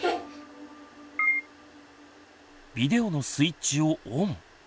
ビデオのスイッチをオン。